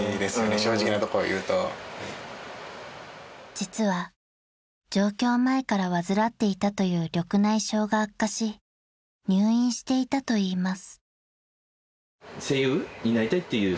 ［実は上京前から患っていたという緑内障が悪化し入院していたといいます］